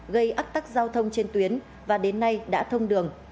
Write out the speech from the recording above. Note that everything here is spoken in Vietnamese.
gây ách tắc giao thông trên tuyến và đến nay đã thông đường